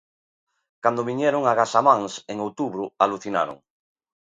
Cando viñeron a Gasamáns, en outubro, alucinaron.